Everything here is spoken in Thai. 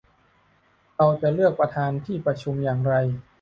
เราจะเลือกประธานที่ประชุมอย่างไร